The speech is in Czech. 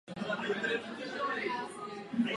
Důraz je tedy kladen na vztahy.